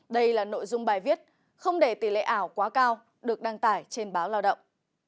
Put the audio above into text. đây là nội dung bài viết không để tỷ lệ ảo quá cao được đăng tải trên báo lao động